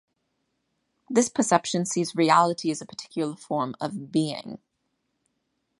This perception sees reality as a particular form of "Being".